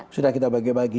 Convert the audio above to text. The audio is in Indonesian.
sudah kita bagi bagi